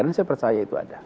dan saya percaya itu ada